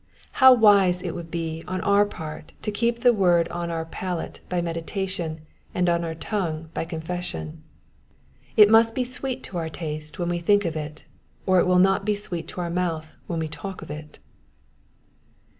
How wise it will be on our part to keep the word on our palate by meditation and on our tongue by confession. It must be sweet to our taste when we think of it, or it will not be sweet to our mouth when we talk of it.